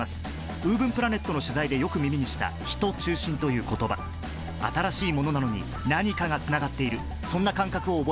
ウーブンプラネットの取材でよく耳にした「ヒト中心」という言葉新しいものなのに何かがつながっているそんな感覚を覚えました